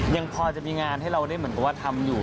ยังพอจะมีงานให้เราได้เหมือนกับว่าทำอยู่